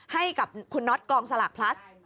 ให้กับคุณน็อตกองสลากพลัส